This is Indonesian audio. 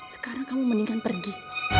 sekarang kamu mendingan pergi